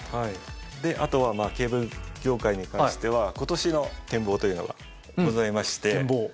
であとはケーブル業界に関しては今年の展望というのがございまして。